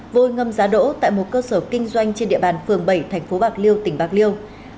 vôi ngâm giá đỗ tại một cơ sở kinh doanh trên địa bàn phường bảy thành phố bạc liêu tỉnh bạc liêu